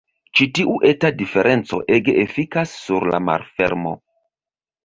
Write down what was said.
Ĉi tiu eta diferenco ege efikas sur la malfermo.